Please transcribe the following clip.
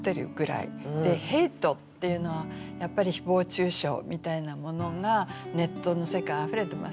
で「ヘイト」っていうのはやっぱりひぼう中傷みたいなものがネットの世界あふれてますよね。